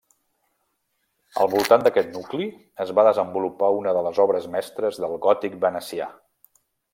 Al voltant d'aquest nucli es va desenvolupar una de les obres mestres del Gòtic venecià.